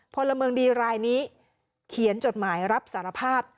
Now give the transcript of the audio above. พลเมืองดีรายนี้เขียนจดหมายรับสารภาพ